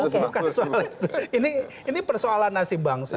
bukan soal itu ini persoalan nasib bangsa